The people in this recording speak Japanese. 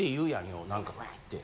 よう何かわぁって。